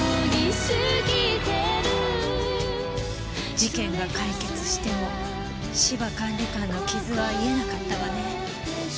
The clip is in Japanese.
事件が解決しても芝管理官の傷は癒えなかったわね。